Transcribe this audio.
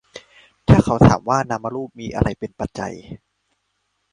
ถ้าเขาถามว่า นามรูปมีอะไรเป็นปัจจัย